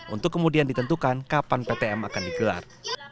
untuk kemudian ditentukan kapan ptm akan digelar